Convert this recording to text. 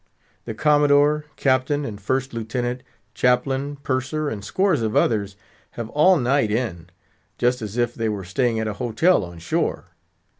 The Commodore, Captain, and first Lieutenant, Chaplain, Purser, and scores of others, have all night in, just as if they were staying at a hotel on shore.